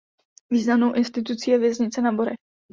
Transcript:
Významnou institucí je věznice na Borech.